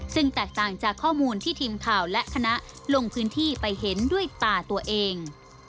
ซึ่งแตกต่างจากข้อมูลที่ทีมข่าวและคณะลงพื้นที่ไปเห็นด้วยตาตัวเอง